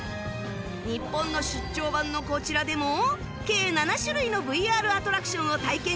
日本の出張版のこちらでも計７種類の ＶＲ アトラクションを体験可能